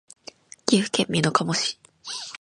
岐阜県美濃加茂市